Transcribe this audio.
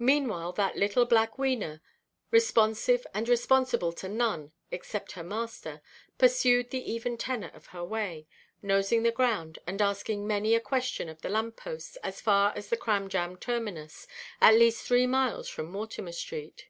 Meanwhile, that little black Wena, responsive and responsible to none except her master, pursued the even tenor of her way, nosing the ground, and asking many a question of the lamp–posts, as far as the Cramjam Terminus, at least three miles from Mortimer–street.